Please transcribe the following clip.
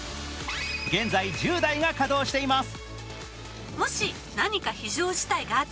現在１０台が稼働しています。